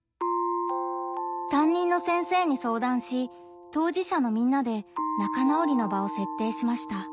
担任の先生に相談し当事者のみんなで仲直りの場を設定しました。